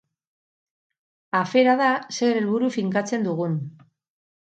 Afera da zer helburu finkatzen dugun.